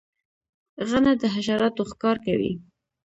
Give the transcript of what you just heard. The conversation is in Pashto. غڼه د حشراتو ښکار کوي